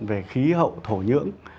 về khí hậu thổ nhưỡng